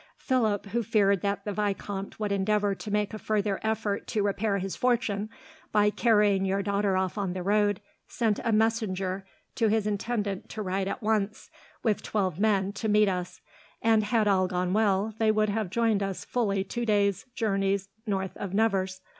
Philip, who feared that the vicomte would endeavour to make a further effort to repair his fortune, by carrying your daughter off on the road, sent a messenger to his intendant to ride at once, with twelve men, to meet us; and, had all gone well, they would have joined us fully two days' journey north of Nevers.